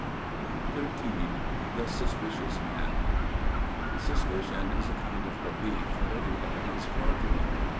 XIII The Suspicious Man (Ἀπιστία) Suspicion is a kind of belief that everybody is fraudulent.